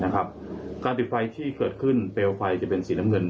การติดไฟที่เกิดขึ้นเปลวไฟจะเป็นสีน้ำเงิน